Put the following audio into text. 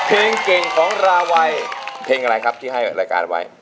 เพลงเก่งของราวัยเพลงอะไรครับที่ให้รายการไว้